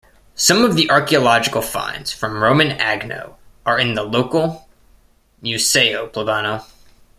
Some of the archaeological finds from Roman Agno are in the local Museo plebano.